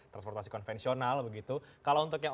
transportasi konvensional begitu kalau untuk yang